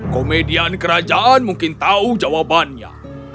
komedian kerajaan mungkin tahu jawabannya